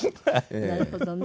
なるほどね。